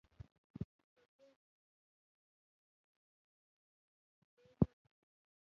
جُوجُو غلی شو، تواب ته يې وکتل، ورو يې وويل: